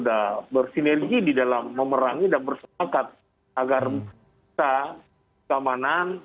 kita harus bersinergi di dalam memerangi dan bersyakat agar kita keamanan